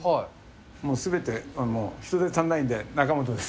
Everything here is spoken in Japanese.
もうすべて人手足りないんで、中本です。